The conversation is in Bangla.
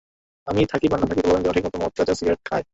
আমি থাকি বা না থাকি পোলাপান যেন ঠিকমতো মদ, গাঁজা, সিগারেট পায়।